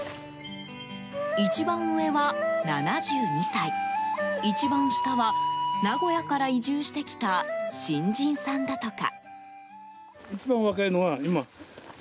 一番上は７２歳一番下は名古屋から移住してきた新人さんだとか。